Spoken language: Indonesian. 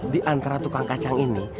diantara tukang kacang ini